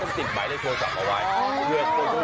ต้องติดไหมแล้วโทรจับเอาไว้